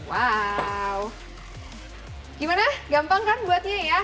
wow gimana gampang kan buatnya ya